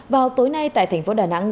vào tối nay tại thành phố đà nẵng